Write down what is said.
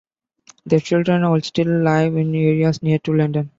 Their children all still live in areas near to London.